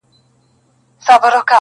نه شاهین به یې له سیوري برابر کړي؛